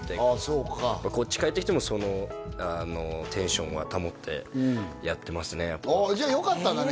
そうかこっち帰ってきてもそのテンションは保ってやってますねじゃあよかったんだね